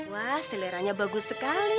wah seleranya bagus sekali